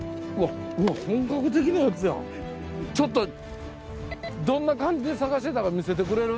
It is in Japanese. ちょっとどんな感じで探してたか見せてくれる？